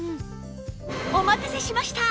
お待たせしました！